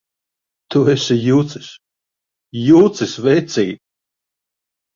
Tu esi jucis! Jucis, vecīt!